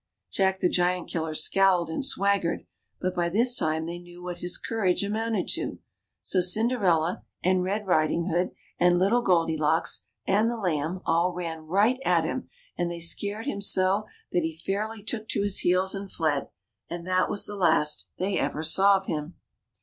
Jack the Giant killer scowled and SAvaggered ; but by this time they knew what his courage amounted to. So Cinderella and Red Riding hood and Little Goldilocks and the Lamb all ran right at him, and they scared him so that he JACK UP A TREE. CINDERELLA UP TO DATE. 25 fairly took to his heels and fled ; and that was the last they ever saw of him.